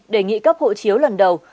đề nghị cấp hộ chiếu lần đầu